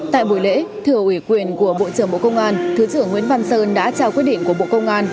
tại buổi lễ thưa ủy quyền của bộ trưởng bộ công an thứ trưởng nguyễn văn sơn đã trao quyết định của bộ công an